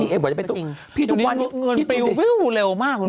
พี่ทุกวันนี้เงินปริวเร็วมากคุณ